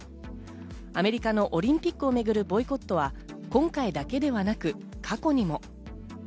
アメリカのオリンピックをめぐるボイコットは今回だけではなく、過去にも。